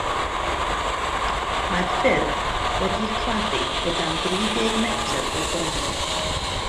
Mae'r ffyrdd wedi'u claddu o dan dri deg metr o graig.